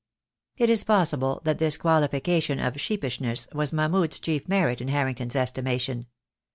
It is possible that this qualification of sheepishness was Mahmud's chief merit in Harrington's estimation.